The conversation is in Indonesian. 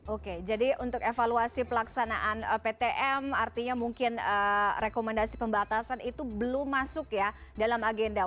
oke jadi untuk evaluasi pelaksanaan ptm artinya mungkin rekomendasi pembatasan itu belum masuk ya dalam agenda